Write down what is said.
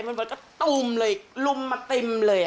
มันก็ตุ้มเลยลุ่มมาติมเลย